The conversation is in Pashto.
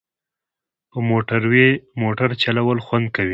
په موټروی موټر چلول خوند کوي